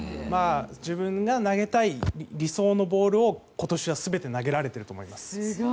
自分が投げたい理想のボールを今年は全て投げられていると思います。